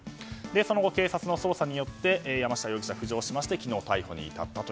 その後、警察の捜査によって山下容疑者が浮上しまして、昨日逮捕に至りました。